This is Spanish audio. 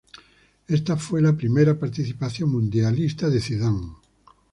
Esta fue la primera participación mundialista de Zidane.